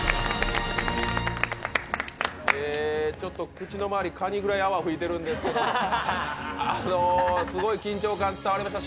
口の周り、かにぐらい泡吹いてるんですけど、すごい緊張感、伝わりました。